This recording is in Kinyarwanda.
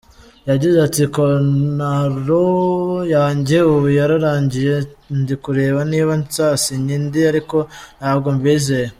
Yagize ati “Kontaro yanjye ubu yararangiye, ndi kureba niba nzasinya indi ariko ntabwo mbyizeye.